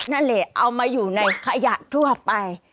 นั่นเลยเอามาอยู่ในขยะทั่วไป